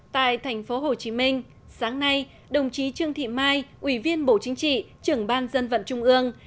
tại thành phố hồ chí minh sáng nay đồng chí trương thị mai ủy viên bộ chính trị trưởng ban dân vận trung ương